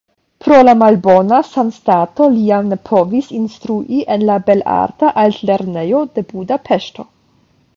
Pro malbona sanstato li jam ne povis instrui en la Belarta Altlernejo de Budapeŝto.